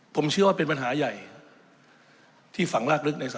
ผมเชื่อว่าเป็นปัญหาใหญ่ที่ฝังรากลึกในส